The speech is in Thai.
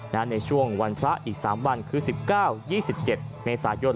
ในช่วงวันพระอีก๓วันคือ๑๙๒๗เมษายน